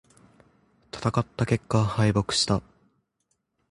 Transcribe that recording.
戦った結果、敗北した。